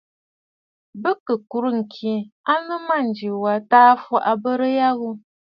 Bɨ kɨ kùrə̂ ŋ̀kì a nɨ mânjì was tǎ fɔʼɔ abərə ya ghu.